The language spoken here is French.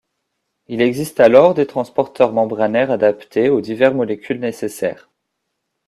Il existe alors des transporteurs membranaires adaptés aux divers molécules nécessaires.